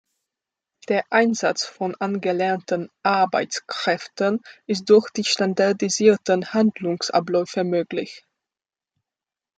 Der Einsatz von angelernten Arbeitskräften ist durch die standardisierten Handlungsabläufe möglich.